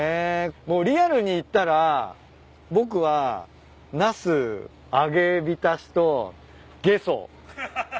もうリアルに言ったら僕はナス揚げ浸しとゲソ。